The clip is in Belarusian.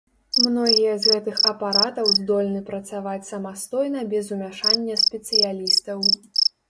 Многія з гэтых апаратаў здольны працаваць самастойна без умяшання спецыялістаў.